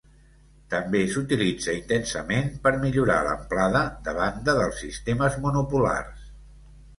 També s'utilitza intensament per millorar l'amplada de banda dels sistemes monopolars.